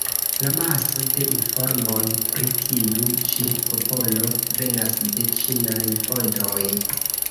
La maso de informoj pri tiu ĉi popolo venas de ĉinaj fontoj.